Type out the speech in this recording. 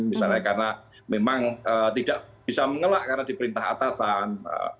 misalnya karena memang tidak bisa mengelak karena di perintah atasan